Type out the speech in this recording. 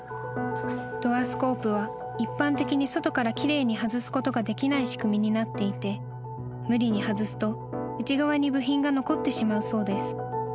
［ドアスコープは一般的に外から奇麗に外すことができない仕組みになっていて無理に外すと内側に部品が残ってしまうそうです］